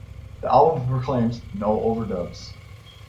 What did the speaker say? The album proclaims: No overdubs.